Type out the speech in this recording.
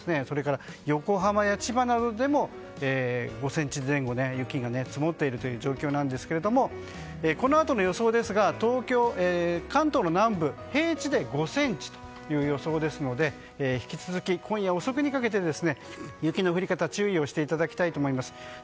それから横浜や千葉などでも５ｃｍ前後雪が積もっているという状況なんですけどこのあとの予想ですが関東の南部の平地で５ｃｍという予想ですので引き続き、今夜遅くにかけて雪の降り方に注意をしていただきたいと思います。